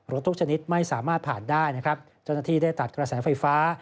รถทุกชนิดไม่สามารถผ่านได้จนนาทีได้ตัดกระแสไฟฟ้า